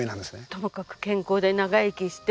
ともかく健康で長生きして。